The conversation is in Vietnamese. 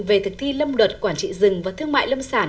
về thực thi lâm luật quản trị rừng và thương mại lâm sản